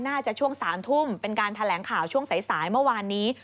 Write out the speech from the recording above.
ช่วง๓ทุ่มเป็นการแถลงข่าวช่วงสายเมื่อวานนี้